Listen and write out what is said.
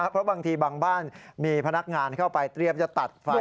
เพราะบางทีบางบ้านมีพนักงานเข้าไปเตรียมจะตัดไฟ